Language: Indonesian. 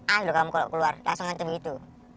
aduh kamu kalau keluar langsung ngantriin itu